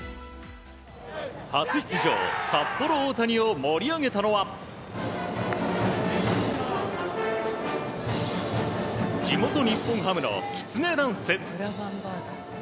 初出場、札幌大谷を盛り上げたのは地元日本ハムのきつねダンス。